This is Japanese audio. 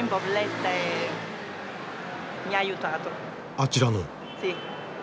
あちらの。